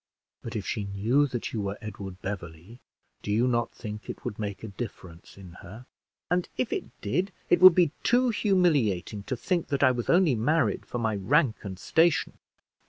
"But if she knew that you were Edward Beverley, do you not think it would make a difference in her?" "And if it did, it would be too humiliating to think that I was only married for my rank and station."